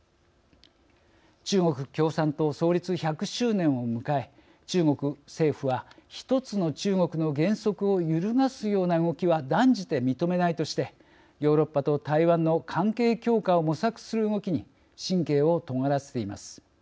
中国共産党創立１００周年を迎え中国政府は１つの中国の原則を揺るがすような動きは断じて認めないとしてヨーロッパと台湾の関係強化を模索する動きに神経をとがらせています。